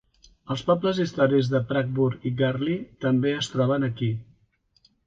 Els pobles històrics de Pragpur i Garli també es troben aquí.